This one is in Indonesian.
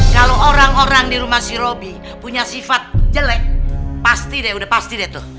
kalau orang orang di rumah si roby punya sifat jelek pasti deh udah pasti deh tuh